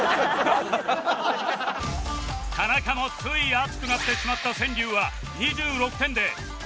田中もつい熱くなってしまった川柳は２６点で暫定２位